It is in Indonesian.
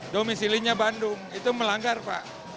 domisilinya bandung itu melanggar pak